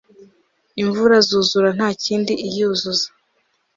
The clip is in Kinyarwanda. imva zuzura ntakind iyuzuza